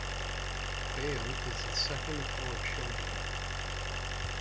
Bail is the second of four children.